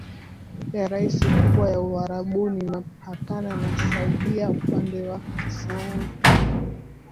ya rasi kubwa ya Uarabuni Imepakana na Saudia upande wa kusini